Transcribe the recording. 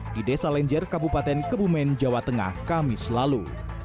di desa lenjer kabupaten kebumen jawa tengah kamis lalu